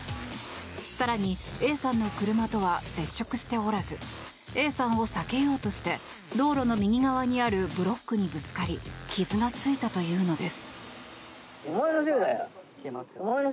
更に、Ａさんの車とは接触しておらずＡさんを避けようとして道路の右側にあるブロックにぶつかり傷がついたというのです。